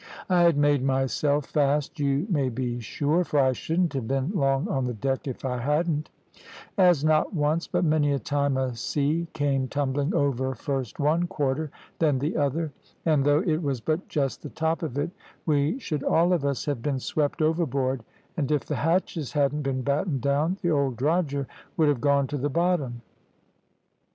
I had made myself fast you may be sure; for I shouldn't have been long on the deck if I hadn't, as not once, but many a time a sea came tumbling over first one quarter, then the other; and, though it was but just the top of it, we should all of us have been swept overboard, and if the hatches hadn't been battened down, the old drogher would have gone to the bottom.